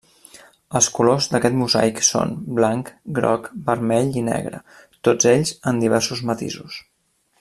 Els colors d'aquest mosaic són: blanc, groc, vermell i negre, tots ells en diversos matisos.